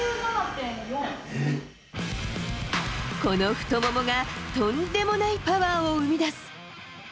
この太ももが、とんでもないパワーを生み出す。